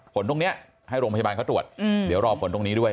ผลตรงนี้ให้โรงพยาบาลเขาตรวจเดี๋ยวรอผลตรงนี้ด้วย